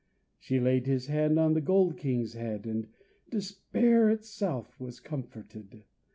She laid His hand on the gold king's head And despair itself was comforted.